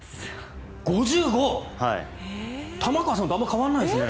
５５？玉川さんとあんまり変わらないですね。